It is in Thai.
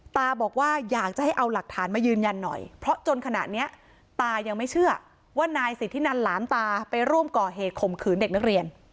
ตาบอกว่าอยากจะให้เอาหลักฐานมายืนยันหน่อยเพราะจนขณะนี้ตายังไม่เชื่อว่านายสิทธินันหลานตาไปร่วมก่อเหตุข่มขืนเด็กนักเรียน